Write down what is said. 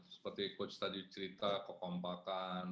seperti coach tadi cerita kekompakan